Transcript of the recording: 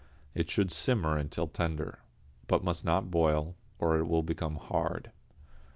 It should simmer until tender, but must not boil, or it will become hard.